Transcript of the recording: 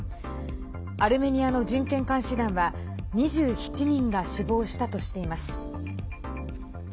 アルメニアの人権監視団は２７人が死亡したとしています。